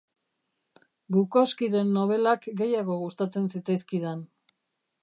Bukowskiren nobelak gehiago gustatzen zitzaizkidan.